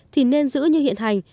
thì nên giữ như hiện hành